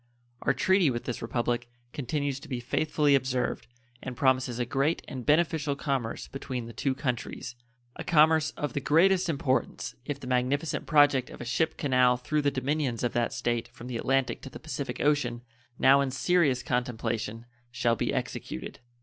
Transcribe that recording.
Our treaty with this Republic continues to be faithfully observed, and promises a great and beneficial commerce between the two countries a commerce of the greatest importance if the magnificent project of a ship canal through the dominions of that State from the Atlantic to the Pacific Ocean, now in serious contemplation, shall be executed.